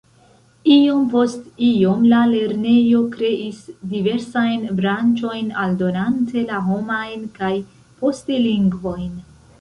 Iom post iom la lernejo kreis diversajn branĉojn aldonante la homajn kaj poste lingvojn.